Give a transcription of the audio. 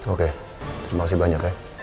oke terima kasih banyak ya